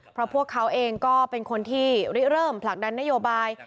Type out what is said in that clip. เพราะพวกเขาเองก็เป็นคนที่เริ่มผลักดันนโยบาย